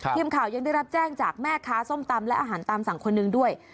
ทีมข่าวยังได้รับแจ้งจากแม่ค้าส้มตำและอาหารตามสั่งคนหนึ่งด้วย